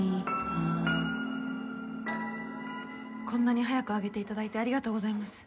こんなに早く上げて頂いてありがとうございます。